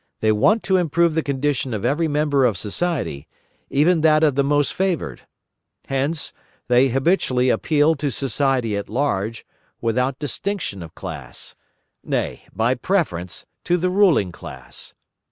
They want to improve the condition of every member of society, even that of the most favoured. Hence, they habitually appeal to society at large, without distinction of class; nay, by preference, to the ruling class.